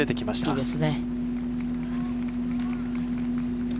いいですね。